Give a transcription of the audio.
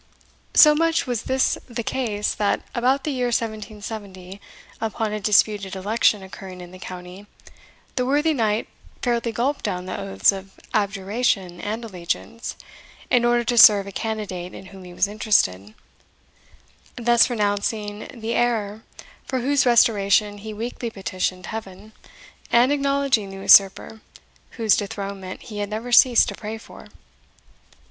So much was this the case, that, about the year 1770, upon a disputed election occurring in the county, the worthy knight fairly gulped down the oaths of abjuration and allegiance, in order to serve a candidate in whom he was interested; thus renouncing the heir for whose restoration he weekly petitioned Heaven, and acknowledging the usurper whose dethronement he had never ceased to pray for.